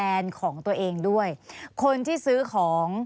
มีความรู้สึกว่ามีความรู้สึกว่า